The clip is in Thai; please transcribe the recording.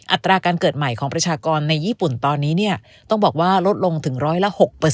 อัตราการเกิดใหม่ของประชากรในญี่ปุ่นตอนนี้ต้องบอกว่าลดลงถึงร้อยละ๖